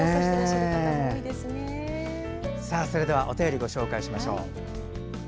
それではお便りをご紹介します。